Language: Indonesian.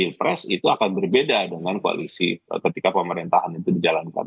pilpres itu akan berbeda dengan koalisi ketika pemerintahan itu dijalankan